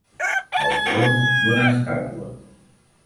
El tronc d'una estàtua